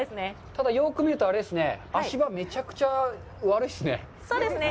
ただ、よく見ると、あれですね、足場めちゃくちゃ悪いですね。